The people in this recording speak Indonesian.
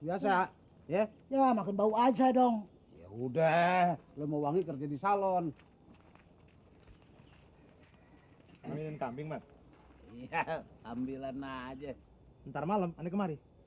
ambil aja ntar malam